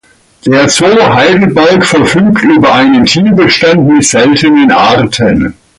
Der Zoo Heidelberg verfügt über einen Tierbestand mit seltenen Arten.